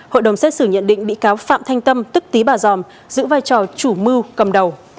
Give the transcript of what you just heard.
hội đồng xét xử nhận định bị cáo phạm thanh tâm tức tý bà giòm giữ vai trò chủ mưu cầm đầu